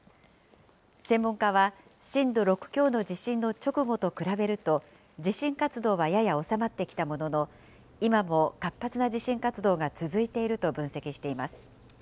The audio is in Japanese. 専門家は震度６強の地震の直後と比べると、地震活動はやや収まってきたものの、今も活発な地震活動が続いていると分析しています。